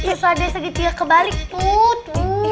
terus ada segitiga kebalik tuh